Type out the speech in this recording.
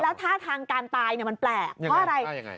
แล้วท่าทางการตายเนี่ยมันแปลกเพราะอะไร